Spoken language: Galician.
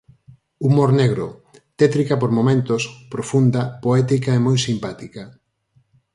Humor negro, tétrica por momentos, profunda, poética e moi simpática.